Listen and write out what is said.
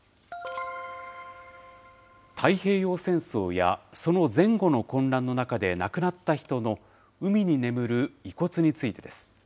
太平洋戦争やその前後の混乱の中で亡くなった人の海に眠る遺骨についてです。